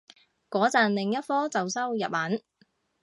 個陣另一科就修日文